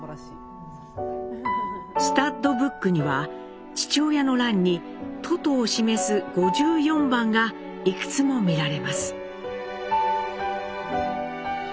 スタッドブックには父親の欄に都都を示す５４番がいくつも見られます。